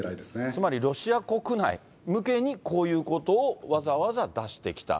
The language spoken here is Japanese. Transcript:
つまりロシア国内向けに、こういうことをわざわざ出してきた。